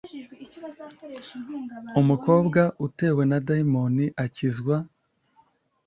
Umukobwa utewe na dayimoni akizwa